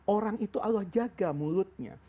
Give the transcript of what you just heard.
orang itu allah jaga mulutnya